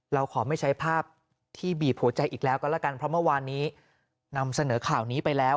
เราขอไม่ใช้ภาพที่บีบหัวใจอีกแล้วก็แล้วกันเพราะเมื่อวานนี้นำเสนอข่าวนี้ไปแล้ว